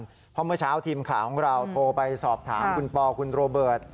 เพราะเมื่อเช้าทีมข่าวของเราโทรไปสอบถามคุณปอคุณโรเบิร์ต